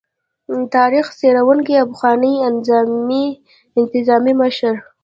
تاريخ څيړونکي او پخواني انتظامي مشر